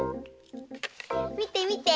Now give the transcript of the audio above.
みてみて！